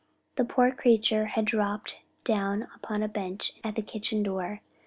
The poor creature had dropped down upon a bench at the kitchen door.